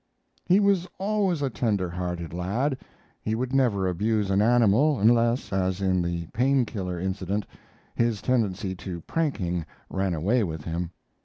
He was always a tender hearted lad. He would never abuse an animal, unless, as in the Pain killer incident, his tendency to pranking ran away with him.